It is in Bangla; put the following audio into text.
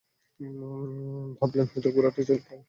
ভাবলেন, হয়তো ঘোড়াটি তাঁর ছেলে ইয়াহইয়াকে পদদলিত করবে।